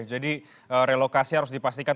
jadi relokasi harus dipastikan